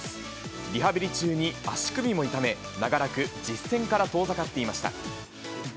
リハビリ中に足首も痛め、長らく、実戦から遠ざかっていました。